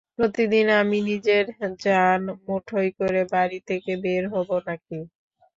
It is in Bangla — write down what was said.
প্রতিদিন আমি নিজের জান মুঠোয় করে বাড়ি থেকে বের হবো না-কি?